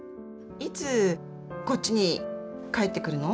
いつこっちに帰ってくるの？